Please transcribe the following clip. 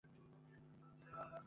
Train এলে gate খুলে দিবে।